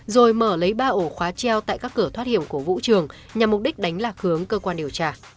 rồi mở lấy ba ổ khóa treo tại các cửa thoát hiểm của vũ trường nhằm mục đích đánh lạc hướng cơ quan điều tra